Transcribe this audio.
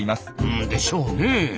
うん。でしょうねえ。